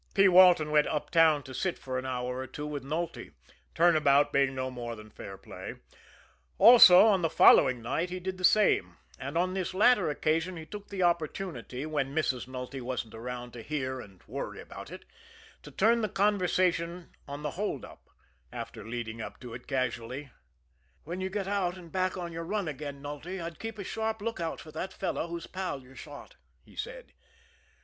P. Walton went uptown to sit for an hour or two with Nulty turn about being no more than fair play. Also on the following night he did the same and on this latter occasion he took the opportunity, when Mrs. Nulty wasn't around to hear and worry about it, to turn the conversation on the hold up, after leading up to it casually. "When you get out and back on your run again, Nulty, I'd keep a sharp look out for that fellow whose pal you shot," he said.